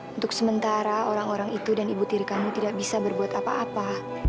untuk sementara orang orang itu dan ibu tiri kamu tidak bisa berbuat apa apa